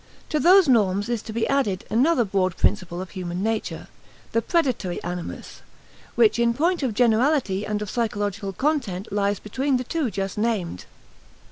To those norms is to be added another broad principle of human nature the predatory animus which in point of generality and of psychological content lies between the two just named.